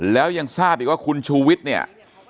แล้วยังทราบอีกว่าคุณชูวิทย์เนี่ย